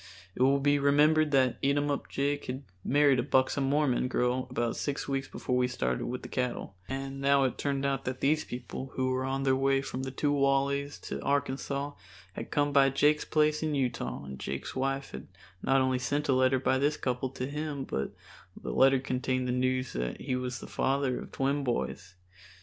It will be remembered that Eatumup Jake had married a buxom Mormon girl about six weeks before we started with the cattle, and now it turned out that these people, who were on their way from the Two Wallys to Arkansas, had come by Jake's place in Utah and Jake's wife had not only sent a letter by this couple to him, but the letter contained the news that he was the father of twin boys.